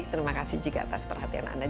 terima kasih jika atas perhatian anda